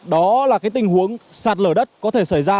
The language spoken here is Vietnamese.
đó là cái tình huống sạt lở đất có thể xảy ra